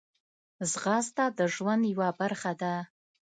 ځغاسته د ژوند یوه برخه ده